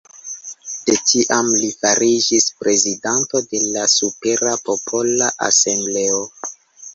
De tiam li fariĝis prezidanto de la Supera Popola Asembleo.